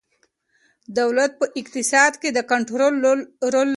دولت په اقتصاد کې د کنترول رول لري.